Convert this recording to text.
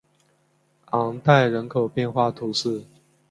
昂代人口变化图示